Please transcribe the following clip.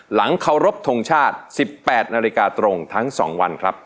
หลังเคารพทงชาติ๑๘นาฬิกาตรงทั้ง๒วันครับ